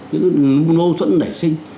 những mâu thuẫn nảy sinh